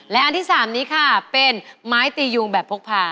และอันที่๓นี้ค่ะเป็นไม้ตียุงแบบพกพา